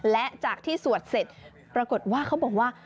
และจากที่สวดเสร็จปรากฏว่าเขาบอกว่า